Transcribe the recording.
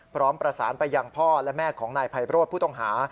พร้อมประสานไปยังพ่อและแม่ของนายไพโรธผู้ต้องหา